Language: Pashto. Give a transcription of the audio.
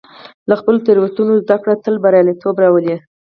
له خپلو تېروتنو زده کړه تل بریالیتوب راولي.